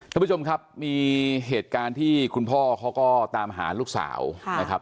ท่านผู้ชมครับมีเหตุการณ์ที่คุณพ่อเขาก็ตามหาลูกสาวนะครับ